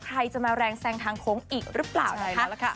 ใครจะมาแรงแซงทางโค้งอีกหรือเปล่านะคะ